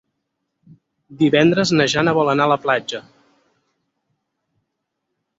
Divendres na Jana vol anar a la platja.